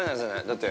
だって◆